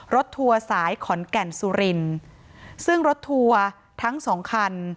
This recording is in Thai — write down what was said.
ทัวร์สายขอนแก่นสุรินซึ่งรถทัวร์ทั้งสองคัน